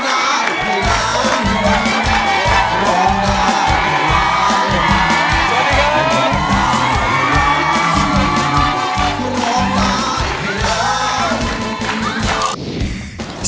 เชิญคุณแมนที่มาร้องได้ให้รักกับพี่บิลกรยานครับ